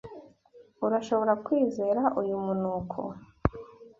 Urashobora kwizera uyu munuko?